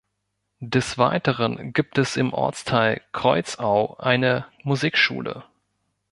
Des Weiteren gibt es im Ortsteil Kreuzau eine Musikschule.